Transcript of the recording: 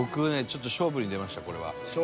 ちょっと勝負に出ましたこれは。